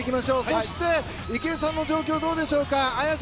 そして池江さんの状況は綾さん、どうでしょうか？